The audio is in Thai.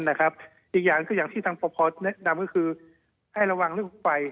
อีกอย่างที่ทางพอแนะนำก็คือให้ระวังเลือกไฟ